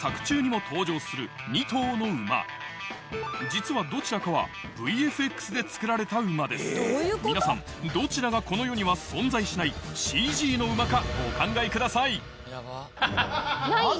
実はどちらかはＶＦＸで作られた馬です皆さんどちらがこの世には存在しないＣＧの馬かお考えくださいヤバっ！